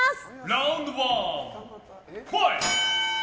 ラウンドワンファイト！